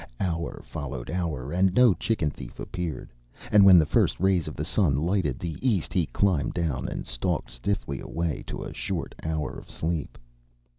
Hour followed hour and no chicken thief appeared. And when the first rays of the sun lighted the east he climbed down and stalked stiffly away to a short hour of sleep.